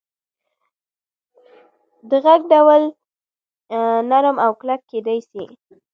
د غږ ډول نرم او کلک کېدی سي.